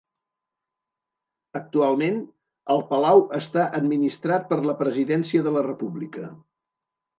Actualment, el Palau està administrat per la Presidència de la República.